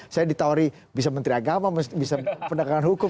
saya ditawari bisa menteri agama bisa pendekatan hukum